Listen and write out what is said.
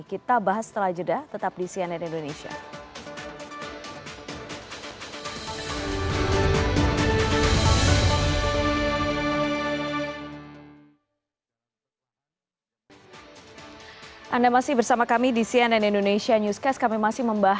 kita bahas setelah jeda tetap di cnn indonesia